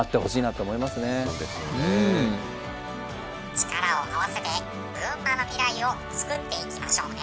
力を合わせて群馬の未来を作っていきましょうね。